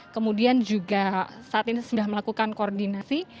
kemudian juga saat ini sudah melakukan koordinasi